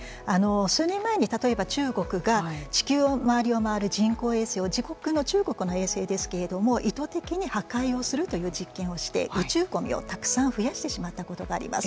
数年前に例えば中国が地球の周りを回る人工衛星を自国の中国の衛星ですけれども意図的に破壊をするという実験をして宇宙ごみをたくさん増やしてしまったことがあります。